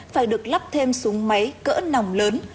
phải được lắp thêm súng máy cỡ nòng lớn